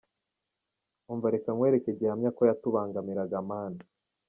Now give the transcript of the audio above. umva reka nkwereke gihamya ko yatubangamiraga man.